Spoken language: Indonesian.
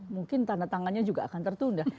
mungkin tanda tangannya juga akan tertunda